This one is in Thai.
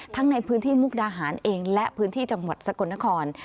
ในพื้นที่มุกดาหารเองและพื้นที่จังหวัดสกลนคร